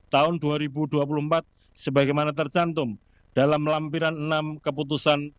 tahun dua ribu dua puluh empat sebagaimana tercantum dalam lampiran enam keputusan